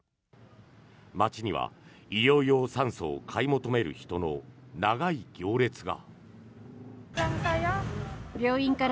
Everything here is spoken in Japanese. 街には医療用酸素を買い求める人の長い行列が。